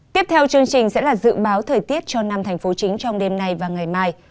tiếp theo chương trình sẽ là dự báo thời tiết cho năm thành phố chính trong đêm nay và ngày mai